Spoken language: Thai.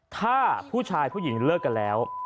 ถ้าผู้ชายผู้หญิงเลิกกันแล้ว